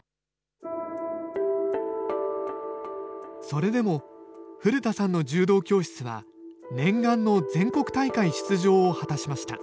それでも古田さんの柔道教室は、念願の全国大会出場を果たしました。